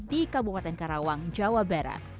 di kabupaten karawang jawa barat